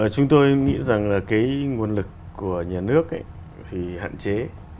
chúng tôi nghĩ rằng là cái nguồn lực của nhà nước thì hạn chế